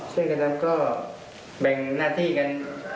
ช่วยกันทำก็แบ่งหน้าที่กัน